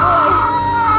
bu semangat bu